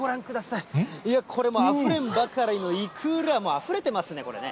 いや、これもう、あふれんばかりのイクラ、もうあふれてますね、これね。